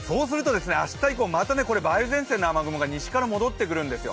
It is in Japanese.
明日以降、また梅雨前線の雨雲が西から戻ってくるんですよ。